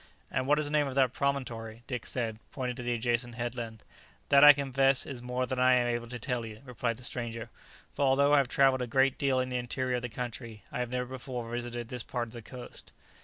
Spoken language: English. "And what is the name of that promontory?" Dick said, pointing to the adjacent headland. "That, I confess, is more than I am able to tell you," replied the stranger; "for although I have travelled a great deal in the interior of the country, I have never before visited this part of the coast."